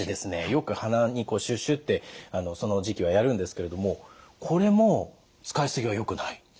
よく鼻にこうシュシュってその時期はやるんですけれどもこれも使い過ぎはよくない？